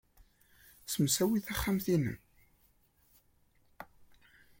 Ssemsawi taxxamt-nnem.